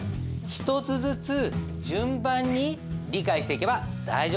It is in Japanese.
一つずつ順番に理解していけば大丈夫なんです。